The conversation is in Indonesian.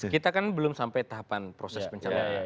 kita kan belum sampai tahapan proses pencalonan